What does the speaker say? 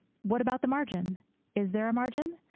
What about the margin? Is there a margin?